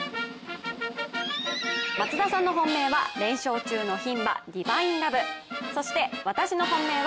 松田さんの本命は連勝中のひん馬、ディヴァインラブ。